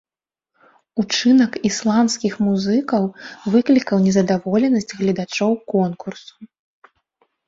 Учынак ісландскіх музыкаў выклікаў незадаволенасць гледачоў конкурсу.